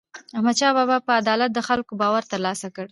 احمدشاه بابا په عدالت د خلکو باور ترلاسه کړ.